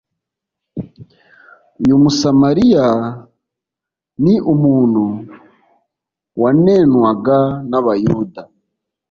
Uyu musamariya ni umuntu wanenwaga n'Abayuda,